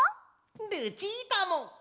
ルチータも！